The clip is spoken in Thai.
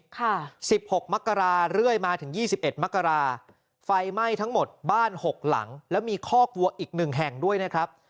ค่ะสิบหกมกราเรื่อยมาถึงยี่สิบเอ็ดมกราไฟไหม้ทั้งหมดบ้านหกหลังแล้วมีคอกวัวอีกหนึ่งแห่งด้วยนะครับ